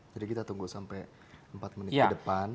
jadi kita tunggu sampai empat menit di depan